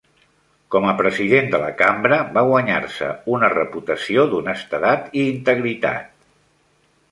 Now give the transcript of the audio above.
Com a President de la Cambra va guanyar-se una reputació d'honestedat i integritat.